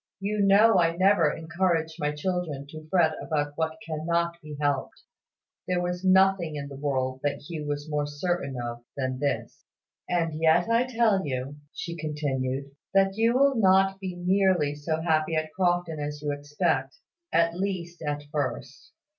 You know I never encourage my children to fret about what cannot be helped." There was nothing in the world that Hugh was more certain of than this. "And yet I tell you," she continued, "that you will not be nearly so happy at Crofton as you expect at least, at first.